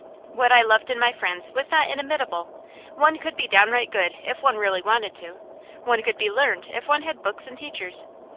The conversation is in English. What I loved in my friends was not inimitable. One could be downright good if one really wanted to. One could be learned if one had books and teachers.